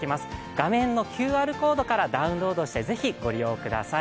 画面のＱＲコードからダウンロードしてご利用ください。